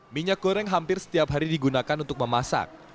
minyak goreng hampir setiap hari digunakan untuk memasak